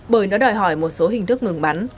bởi nó đòi hỏi một số hình thức ngừng bắn